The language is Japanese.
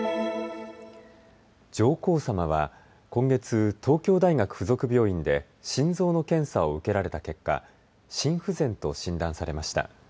上皇さまは今月、東京大学附属病院で心臓の検査を受けられた結果、心不全と診断されました。